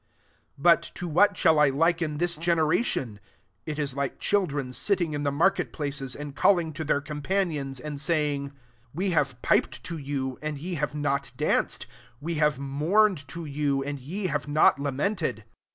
16 « But to what shall I liken this generation ? It is like chil dren sitting in the market places, and calling to their com panions, 17 and saying, * We 40 MATTHEW XU. have piped to you, and ye have not danced ; we have mourned to you, and ye have not lament ed.